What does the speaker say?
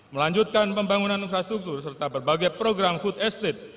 melanjutkan pembangunan infrastruktur serta berbagai program food estate